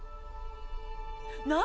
何？